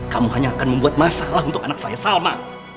kamu hanya akan membuat masalah untuk anak saya salma